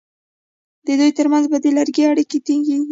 د دوی ترمنځ په دې لړ کې اړیکې ټینګیږي.